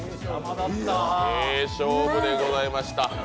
名勝負でございました。